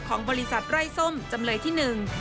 ของบริษัทไร้ส้มจำเลยที่หนึ่ง